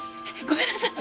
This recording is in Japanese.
ごめんなさい。